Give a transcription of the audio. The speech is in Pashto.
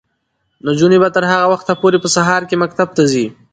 نجونې به تر هغه وخته پورې په سهار کې مکتب ته ځي.